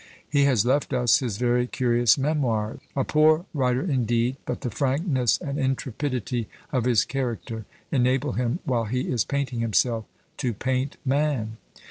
He has left us his very curious "Memoirs." A poor writer indeed, but the frankness and intrepidity of his character enable him, while he is painting himself, to paint man.